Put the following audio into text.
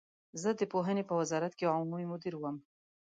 زه د پوهنې په وزارت کې عمومي مدیر وم.